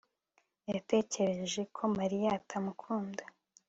yatekereje ko mariya atamukunda